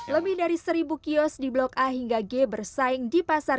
lebih dari seribu kios di blok a hingga g bersaing di pasar